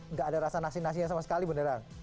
nggak ada rasa naksi nasinya sama sekali beneran